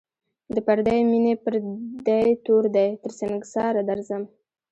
د پردۍ میني پردی تور دی تر سنگساره درځم